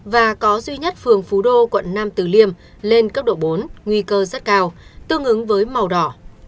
và có duy nhất phường phú đô quận nam tử liêm lên cấp độ bốn nguy cơ rất cao tương ứng với màu đỏ